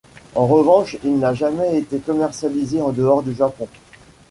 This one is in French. En revanche, il n’a jamais été commercialisé en dehors du Japon.